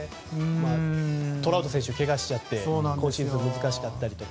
トラウト選手けがしちゃって今シーズン難しかったりして。